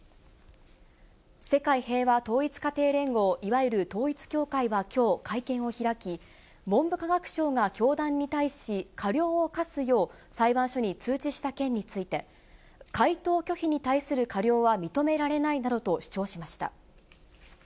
世界平和統一家庭連合、いわゆる統一教会はきょう、会見を開き、文部科学省が教団に対し、過料を科すよう、裁判所に通知した件について、回答拒否に対する過料は認められないなどと主張しました。